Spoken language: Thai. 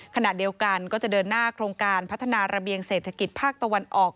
ขณะเดียวกันก็จะเดินหน้าโครงการพัฒนาระเบียงเศรษฐกิจภาคตะวันออก